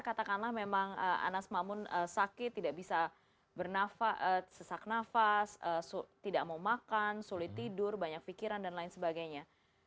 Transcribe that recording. katakanlah memang anas mamun sakit tidak bisa bernafas sesak nafas tidak mau makan sulit tidur banyak pikiran dan lain sebagainya